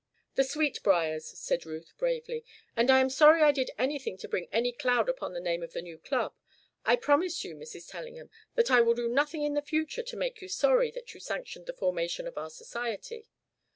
"The Sweetbriars," said Ruth bravely. "And I am sorry I did anything to bring any cloud upon the name of the new club. I promise you, Mrs. Tellingham, that I will do nothing in the future to make you sorry that you sanctioned the formation of our society."